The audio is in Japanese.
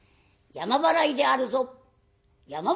山払いであるぞ」。